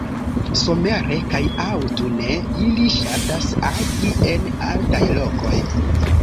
Somere kaj aŭtune ili ŝatas agi en altaj lokoj.